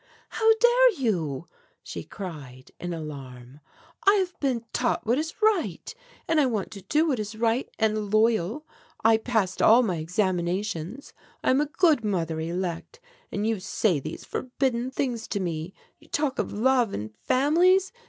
"How dare you!" she cried, in alarm. "I have been taught what is right, and I want to do what is right and loyal. I passed all my examinations. I am a good mother elect, and you say these forbidden things to me. You talk of love and families.